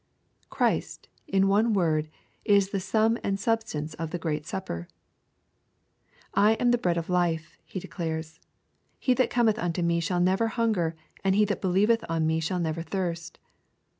Christ, in one word, is the sum and substance of the " great supper." " I am the bread of life," He declares, —" he that cometh unto me shall never hunger, and he that believeth on me shall never thirst."